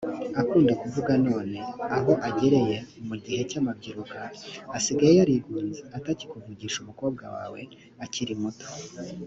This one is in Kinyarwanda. akunda kuvuga none aho agereye mu gihe cy amabyiruka asigaye yarigunze atakikuvugisha umukobwa wawe akiri muto